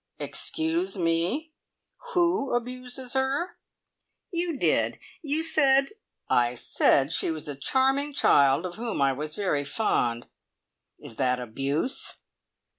"Excuse me. Who abuses her?" "You did. You said " "I said she was a charming child of whom I was very fond. Is that abuse?"